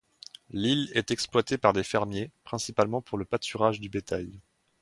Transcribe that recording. L'île est exploitée par des fermiers, principalement pour le pâturage du bétail.